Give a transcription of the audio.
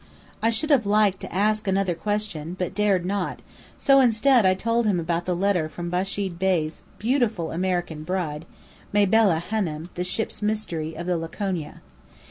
I should have liked to ask another question then, but dared not, so instead I told him about the letter from Bechid Bey's beautiful American bride, Mabella Hânem, the "Ship's Mystery" of the Laconia.